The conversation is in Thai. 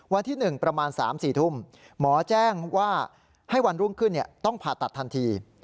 วันที่๑ประมาณ๓๔ทุ่มหมอแจ้งว่าให้วันรุ่งขึ้นต้องผ่าตัดทันที